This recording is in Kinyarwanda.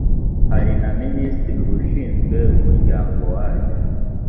hari na minisitiri ushinzwe umuryango waje